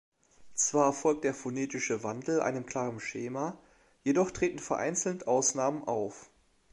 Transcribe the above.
Zwar folgt der phonetische Wandel einem klaren Schema, jedoch treten vereinzelt Ausnahmen auf.